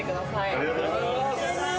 ありがとうございます。